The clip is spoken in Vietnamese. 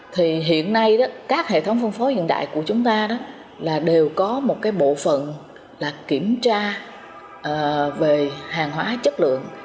thì hiện nay các hệ thống phân phối hiện tại của chúng ta đều có một bộ phận kiểm tra về hàng hóa chất lượng